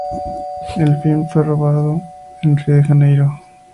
El film fue rodado en Rio de Janeiro.